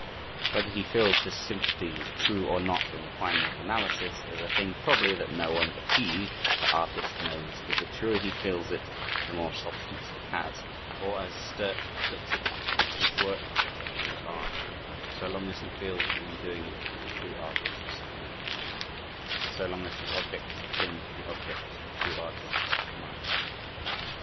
Whether he feels this sympathy is true or not in the final analysis, is a thing probably that no one but he (the artist) knows but the truer he feels it, the more substance it has, or as Sturt puts it, "his work is art, so long as he feels in doing it as true artists feel, and so long as his object is akin to the objects that true artists admire."